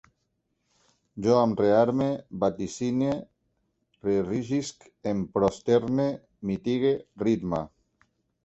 Jo em rearme, vaticine, reerigisc, em prosterne, mitigue, ritme